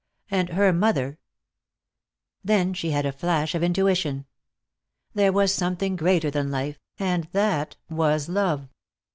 And her mother Then she had a flash of intuition. There was something greater than life, and that was love.